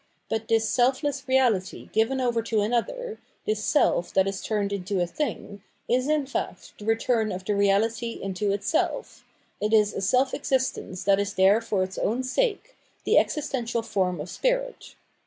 But this self less reahty given over to another, this 526 Phenomenology of Mind self that is turned into a thing, is in fact the return of the reality into itself ; it is a self existence that is there for its own sake, the existential form of spmt.